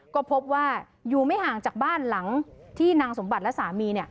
ก็พบว่าอยู่ไม่ห่างจากบ้านหลังที่นางสมบัติและสามี